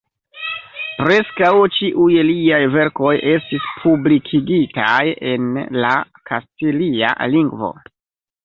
Preskaŭ ĉiuj liaj verkoj estis publikigitaj en la kastilia lingvo.